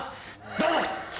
どうぞ！